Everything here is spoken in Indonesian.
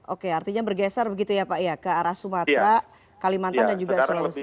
oke artinya bergeser begitu ya pak ya ke arah sumatera kalimantan dan juga sulawesi